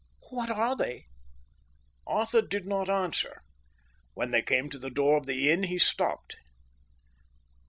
"What are they?" Arthur did not answer. When they came to the door of the inn, he stopped.